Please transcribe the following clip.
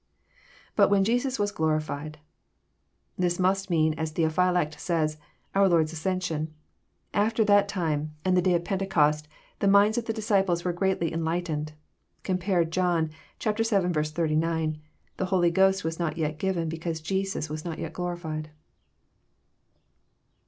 {_Btit tche7i Jesus was glof^ed.^ This must mean, as Theophy lact says, our Lord's ascension. After that time, and the day of Pentecost, the minds of the disciples were greatly enlight ened. Compare John vii. 89 :'* The Holy Ghost was not yet given, because Jesus was not yet glorified."